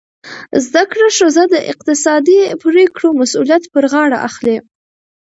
زده کړه ښځه د اقتصادي پریکړو مسؤلیت پر غاړه اخلي.